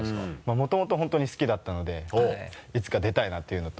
もともと本当に好きだったのでいつか出たいなというのと。